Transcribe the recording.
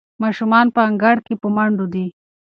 ماشومان په انګړ کې په منډو دي.